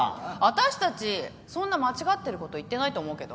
私たちそんな間違ってる事言ってないと思うけど。